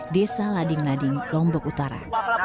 desa lading lading lombok utara